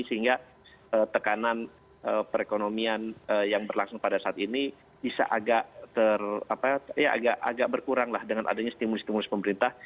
sehingga tekanan perekonomian yang berlangsung pada saat ini bisa agak berkurang lah dengan adanya stimulus stimulus pemerintah